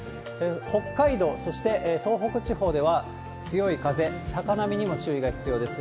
北海道、そして東北地方では、強い風、高波にも注意が必要です。